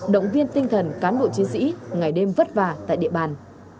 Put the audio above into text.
động viên tinh thần cán bộ chiến sĩ ngày đêm vất vả tại địa bàn